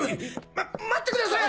ま待ってください！